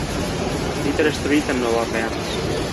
Peter Street en Nueva Orleans.